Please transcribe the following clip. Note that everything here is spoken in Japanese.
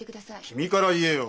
君から言えよ。